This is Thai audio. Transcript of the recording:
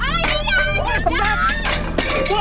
อะไรนี้ยาอย่า